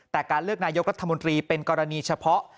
แต่การเลือกนายกรัฐมนตรีเป็นกรณีเฉพาะ